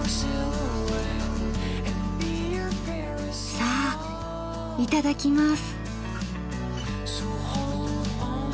さあいただきます。